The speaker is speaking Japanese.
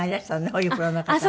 ホリプロの方が。